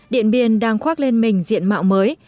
điện biên đang khoác lên mình diện mạo mới